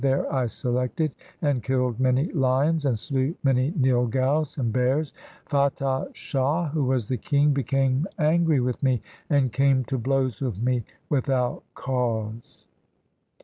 There I selected and killed many lions, And slew many nilgaus and bears. Fatah Shah who was the king became angry with me, And came to blows with me without cause.